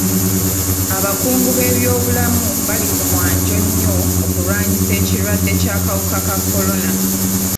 Abakungu b'ebyobulamu bali ku mwanjo nnyo mu kulwanyisa ekirwadde ky'akawuka ka kolona.